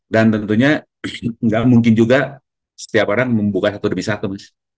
dan tentunya nggak mungkin juga setiap orang membuka satu demi satu mas